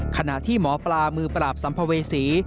คณะที่หมอปรามือปลาบสำพวิศี